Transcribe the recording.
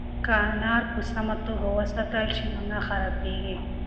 که انار په سمه توګه وساتل شي نو نه خرابیږي.